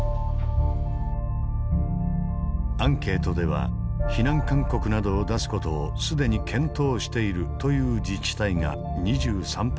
アンケートでは避難勧告などを出す事を「既に検討している」という自治体が２３％。